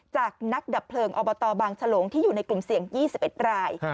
จากนักดับเพลิงอบตบางฉลงที่อยู่ในกลุ่มเสี่ยง๒๑ราย